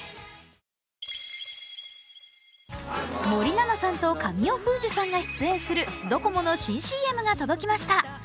森七菜さんと神尾楓珠さんが出演するドコモの新ＣＭが届きました。